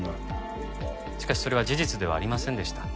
しかしそれは事実ではありませんでした。